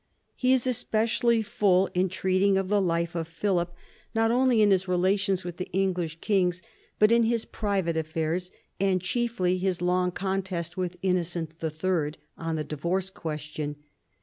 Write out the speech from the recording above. He is especially full in treating of the life of Philip, not only in his vii LAST YEARS 213 relations with the English kings, but in his private affairs, and chiefly his long contest with Innocent III. on the divorce question.